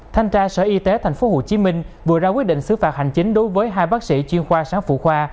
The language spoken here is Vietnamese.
thanh tra sở y tế tp hcm vừa ra quyết định xứ phạt hành chính đối với hai bác sĩ chuyên khoa sáng phụ khoa